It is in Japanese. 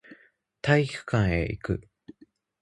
体育館へ行く